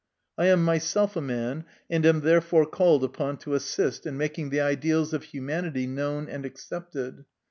I am myself a man, and am therefore called upon to assist in making the ideals of humanity known and accepted."